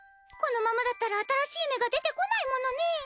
このままだったら新しい芽が出てこないものね。